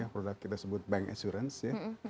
produk kita sebut bank assurance ya